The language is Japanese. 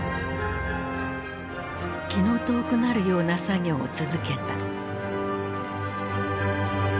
気の遠くなるような作業を続けた。